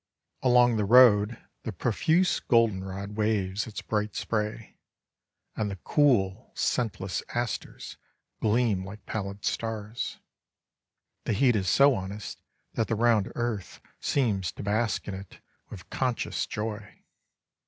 Along the road the profuse golden rod waves its bright spray, and the cool, scentless asters gleam like pallid stars. The heat is so honest that the round earth seems to bask in it with conscious joy.